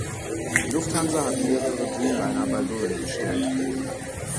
Die Lufthansa hat mehrere Dreamliner bei Boeing bestellt.